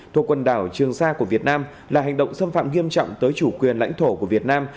thuộc quần đảo trường sa của việt nam là hành động xâm phạm nghiêm trọng tới chủ quyền lãnh thổ của việt nam